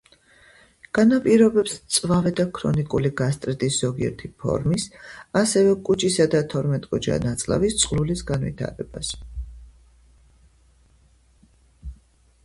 განაპირობებს მწვავე და ქრონიკული გასტრიტის ზოგიერთი ფორმის, ასევე კუჭისა და თორმეტგოჯა ნაწლავის წყლულის განვითარებას.